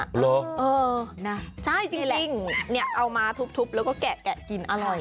เหรอเออนะใช่จริงเนี่ยเอามาทุบแล้วก็แกะกินอร่อย